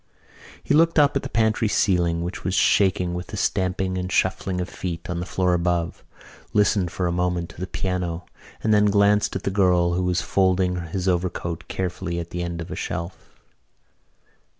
He looked up at the pantry ceiling, which was shaking with the stamping and shuffling of feet on the floor above, listened for a moment to the piano and then glanced at the girl, who was folding his overcoat carefully at the end of a shelf.